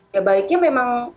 ya baiknya memang